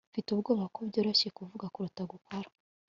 Mfite ubwoba ko byoroshye kuvuga kuruta gukora